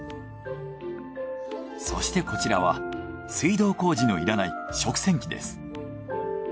そしてこちらは水道工事のいらない食洗機です。